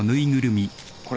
これ。